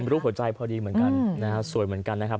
รูปหัวใจพอดีเหมือนกันนะฮะสวยเหมือนกันนะครับ